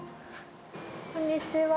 こんにちは。